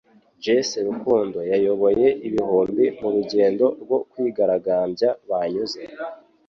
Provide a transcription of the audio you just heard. Jesse Rukundo yayoboye ibihumbi mu rugendo rwo kwigaragambya banyuze